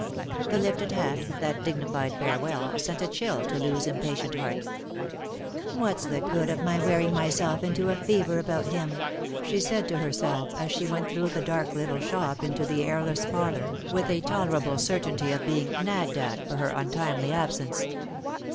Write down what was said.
The lifted hat, that dignified farewell, sent a chill to Loo's impatient heart. " What's the good of my wearing myself into a fever about him ?" she said to herself, as she went through the dark little shop, into the airless parlour, with a tolerable certainty of being " nagged at " for her untimely absence.